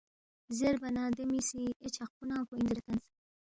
زیربا نہ دے می سی اے چھقپو ننگ پو اِن زیرے ہلتنس